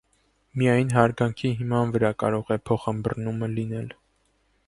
Միայն հարգանքի հիման վրա կարող է փոխըմբռնումը լինել։